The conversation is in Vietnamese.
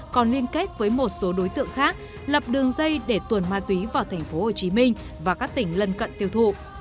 còn liên kết với một số đối tượng khác lập đường dây để tuồn ma túy vào tp hcm và các tỉnh lân cận tiêu thụ